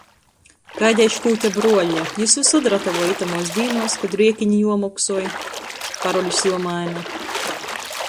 Gaideiškūte bruoļa, jis vysod ratavoj itamuos dīnuos, kod riekini juomoksoj, parolis juomaina.